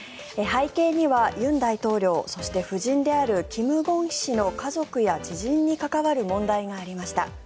背景には尹大統領そして夫人であるキム・ゴンヒ氏の家族や知人に関わる問題がありました。